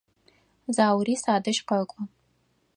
Заури садэжь къэкӏо.